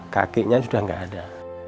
kakinya sudah gak ada